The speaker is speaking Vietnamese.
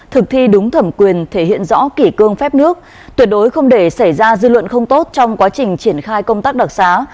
thực thi đúng thẩm quyền thể hiện rõ kỷ cương phép nước tuyệt đối không để xảy ra dư luận không tốt trong quá trình triển khai công tác đặc xá